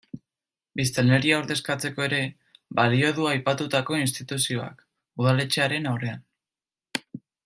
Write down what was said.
Biztanleria ordezkatzeko ere balio du aipatutako instituzioak, udaletxearen aurrean.